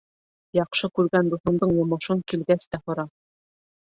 Яҡшы күргән дуҫыңдың йомошон килгәс тә һора